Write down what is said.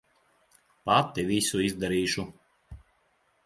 Pati visu izdarīšu.